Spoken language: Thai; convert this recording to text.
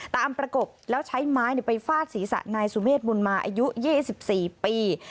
ประกบแล้วใช้ไม้ไปฟาดศีรษะนายสุเมฆบุญมาอายุ๒๔ปี